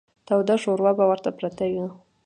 توده شوروا به ورته پرته وه.